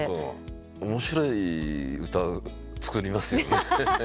面白い歌作りますよね？